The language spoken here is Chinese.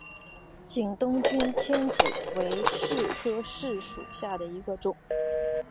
景东君迁子为柿科柿属下的一个种。